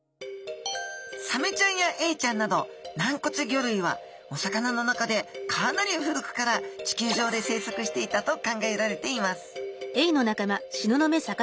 サメちゃんやエイちゃんなど軟骨魚類はお魚の中でかなり古くから地球上で生息していたと考えられています